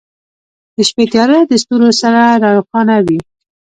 • د شپې تیاره د ستورو سره روښانه وي.